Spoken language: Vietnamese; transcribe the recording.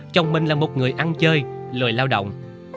chồng mình là một người ăn chơi lồi lao động